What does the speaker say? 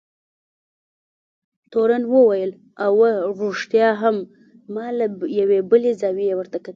تورن وویل: اوه، رښتیا هم، ما له یوې بلې زاویې ورته کتل.